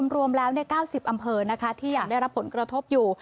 รวมแล้ว๙๐อำเภอที่ยังได้รับผลกระทบอยู่